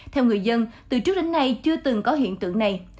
theo người dân từ trước đến nay chưa từng có hiện tượng này